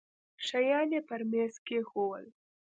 شيان يې پر ميز کښېښوول.